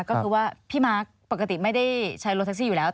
ก็คือว่าพี่มาร์คปกติไม่ได้ใช้รถแท็กซี่อยู่แล้ว